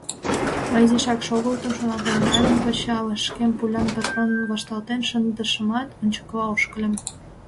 Мый изишак шогылтым, шоналтен нальым, пычалышкем пулян патроным вашталтен шындышымат, ончыкыла ошкыльым.